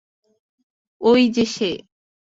ওই যে সে।